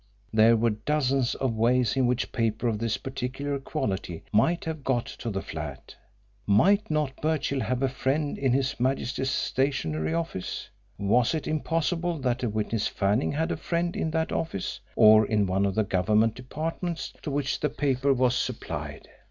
There were dozens of ways in which paper of this particular quality might have got to the flat. Might not Birchill have a friend in His Majesty's Stationery Office? Was it impossible that the witness Fanning had a friend in that Office, or in one of the Government Departments to which the paper was supplied?